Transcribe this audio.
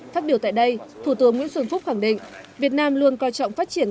phát biểu tại đây thủ tướng nguyễn xuân phúc khẳng định việt nam luôn coi trọng phát triển